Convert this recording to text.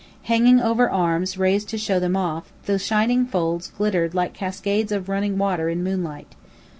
Hanging over arms raised to show them off, the shining folds glittered like cascades of running water in moonlight.